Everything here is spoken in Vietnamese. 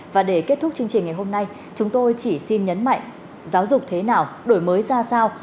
và để kết thúc chương trình ngày hôm nay chúng tôi chỉ xin nhấn mạnh giáo dục thế nào đổi mới ra sao